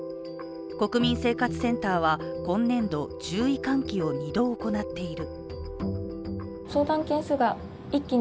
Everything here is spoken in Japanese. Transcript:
国民生活センターは、今年度注意喚起を２度行っている。